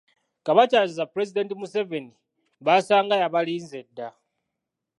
Kabakyaza Pulezidenti Museveni baasanga yabalinze dda.